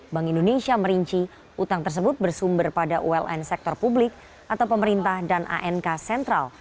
bank indonesia merinci utang tersebut bersumber pada uln sektor publik atau pemerintah dan ank sentral